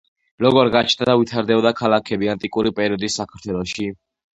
როგორ გაჩნდა და ვითარდებოდა ქალაქები ანტიკური პერიოდის საქართველოში?